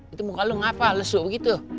itu muka lu ngapa lesu begitu